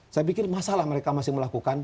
saya pikir masalah mereka masih melakukan